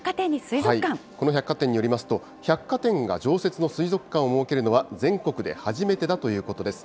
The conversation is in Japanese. この百貨店によりますと、百貨店が常設の水族館を設けるのは全国で初めてだということです。